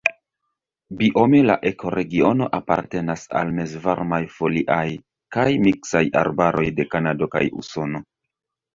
Biome la ekoregiono apartenas al mezvarmaj foliaj kaj miksaj arbaroj de Kanado kaj Usono.